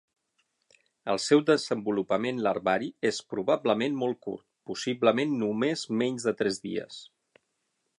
El seu desenvolupament larvari és probablement molt curt, possiblement només menys de tres dies.